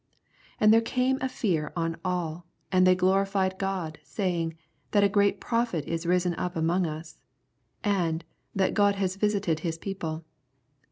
16 And there came a fear on all i and they glorified God, saying, That a great prophet is risen up among us ; and, That God hath visited his people.